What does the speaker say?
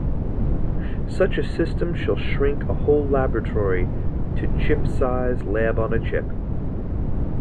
Such a system shall shrink a whole laboratory to chip-size lab-on-a-chip.